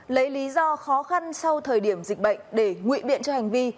lấy lý do khó khăn sau thời điểm dịch bệnh để ngụy biện cho hành vi